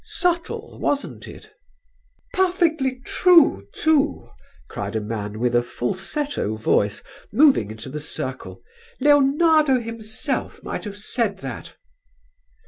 Subtle, wasn't it?" "Perfectly true, too!" cried a man, with a falsetto voice, moving into the circle; "Leonardo himself might have said that."